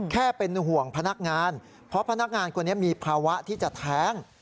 แค่เป็นห่วงพนักงานเพราะพนักงานคนนี้มีภาวะที่จะแท้ง